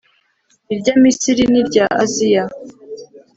irya misiri n'irya aziya